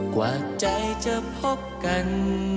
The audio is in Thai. กว่าใจจะพบกัน